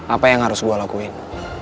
apa yang harus gue lakuin